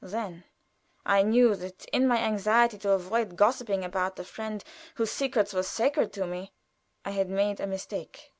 Then I knew that in my anxiety to avoid gossiping about the friend whose secrets were sacred to me, I had made a mistake.